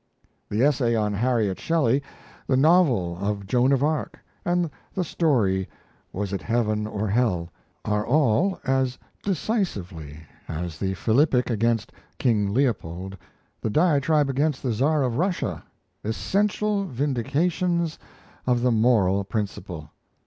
The essay on Harriet Shelley, the novel of 'Joan of Arc', and the story 'Was it Heaven or Hell?' are all, as decisively as the philippic against King Leopold, the diatribe against the Czar of Russia, essential vindications of the moral principle.